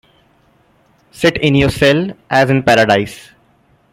Sit in your cell as in paradise.